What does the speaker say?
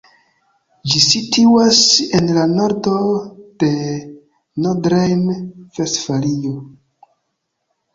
Ĝi situas en la nordo de Nordrejn-Vestfalio.